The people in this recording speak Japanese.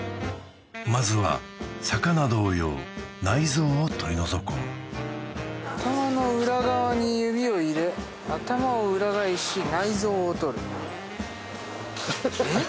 まずは魚同様内臓を取り除こう頭の裏側に指を入れ頭を裏返し内臓を取るえっ？